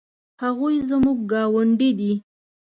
هغوی زموږ ګاونډي دي